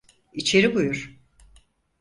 İçeri buyur.